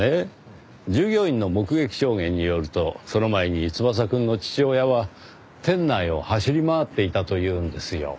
従業員の目撃証言によるとその前に翼くんの父親は店内を走り回っていたというんですよ。